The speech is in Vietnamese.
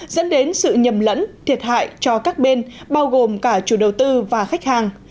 dẫn đến sự nhầm lẫn thiệt hại cho các bên bao gồm cả chủ đầu tư và khách hàng